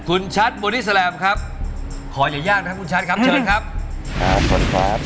คุณชัดบอดิสแลมครับขออย่ายากนะครับ